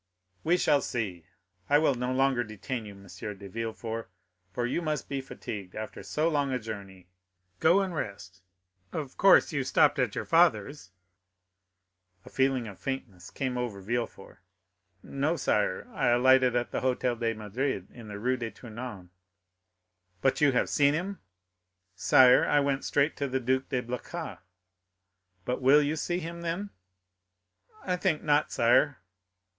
"We shall see. I will no longer detain you, M. de Villefort, for you must be fatigued after so long a journey; go and rest. Of course you stopped at your father's?" A feeling of faintness came over Villefort. 0145m "No, sire," he replied, "I alighted at the Hotel de Madrid, in the Rue de Tournon." "But you have seen him?" "Sire, I went straight to the Duc de Blacas." "But you will see him, then?" "I think not, sire."